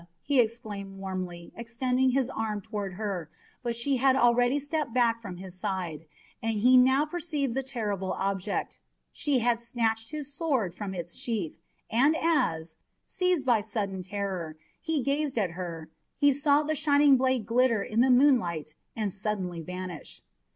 he exclaimed warmly, extending his arm toward her but she had already stepped back from his side, and he now perceived the terrible object she had snatched his sword from its sheath, and as, seized by sudden terror, he gazed at her, he saw the shining blade glitter in the moonlight and suddenly vanish.